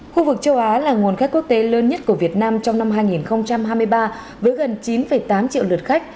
khu vực châu á là nguồn khách quốc tế lớn nhất của việt nam trong năm hai nghìn hai mươi ba với gần chín tám triệu lượt khách